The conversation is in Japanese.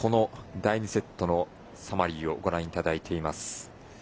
第２セットのサマリーをご覧いただいています。